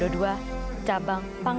ia menemukan pelayanan ke jepang